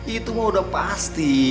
itu mah udah pasti